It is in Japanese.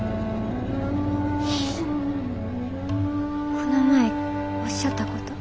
この前おっしゃったこと。